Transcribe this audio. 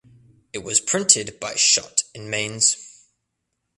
It was printed by Schott in Mainz.